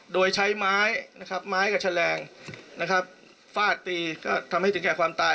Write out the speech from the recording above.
โดยใช้ไม้นะครับไม้กับแฉลงนะครับฟาดตีก็ทำให้ถึงแก่ความตาย